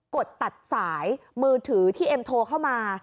ดตัดสายมือถือที่เอ็มโทรเข้ามา